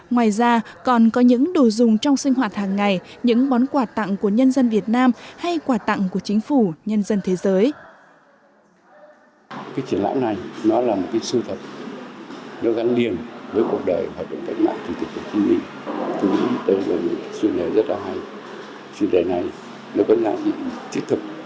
ngoài ra còn có những đồ dùng trong sinh hoạt hàng ngày những món quà tặng của nhân dân việt nam hay quà tặng của chính phủ nhân dân thế giới